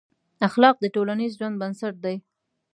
اخلاق د ټولنیز ژوند بنسټ دی.